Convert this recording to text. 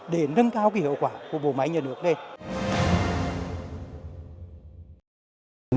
để nâng cao cái hiệu quả của bộ máy nhà nước lên